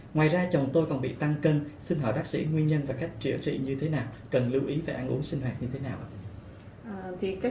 ngoài ra chồng tôi còn bị tăng cân xin hỏi bác sĩ nguyên nhân và cách chữa trị như thế nào cần lưu ý về ăn uống sinh hoạt như thế nào ạ